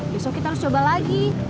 besok kita harus coba lagi